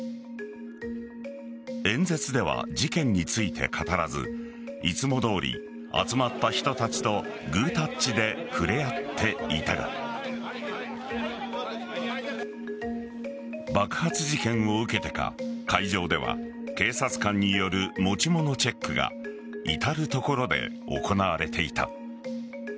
演説では、事件について語らずいつもどおり、集まった人たちとグータッチで触れ合っていたが爆発事件を受けてか会場では警察官による持ち物チェックが至る所で行われていた。